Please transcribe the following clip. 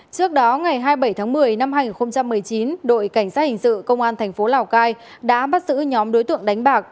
trước đó ngày hai mươi bảy tháng một mươi năm hai nghìn một mươi chín đội cảnh sát hình sự công an thành phố lào cai đã bắt giữ nhóm đối tượng đánh bạc